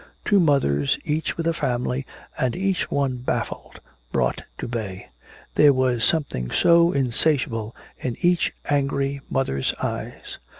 Two mothers, each with a family, and each one baffled, brought to bay. There was something so insatiable in each angry mother's eyes.